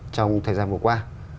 trong thời gian vừa qua